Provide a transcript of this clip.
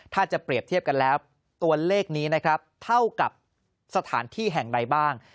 ถ้าจะเปรียบเทียบกันแล้วตัวเลขนี้นะครับเท่ากับสถานที่แห่งใดบ้าง